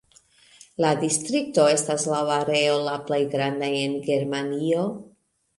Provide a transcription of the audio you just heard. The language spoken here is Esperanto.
La distrikto estas laŭ areo la plej granda en Germanio.